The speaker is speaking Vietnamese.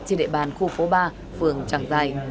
trên địa bàn khu phố ba phường tràng giải